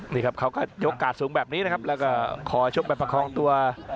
นี่ครับเขาก็ยกกาดสูงแบบนี้นะครับแล้วก็ขอชกแบบประคองตัว